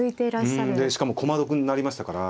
しかも駒得になりましたから。